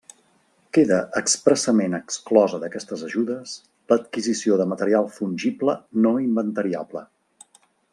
Queda expressament exclosa d'aquestes ajudes l'adquisició de material fungible no inventariable.